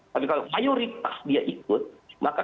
tapi kalau mayoritas dia ikut maka